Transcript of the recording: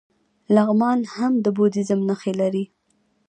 لغمان هم د بودیزم نښې لري